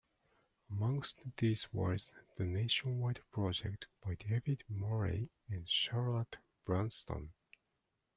Amongst these was "The Nationwide Project" by David Morley and Charlotte Brunsdon.